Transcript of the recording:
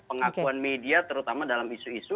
pengakuan media terutama dalam isu isu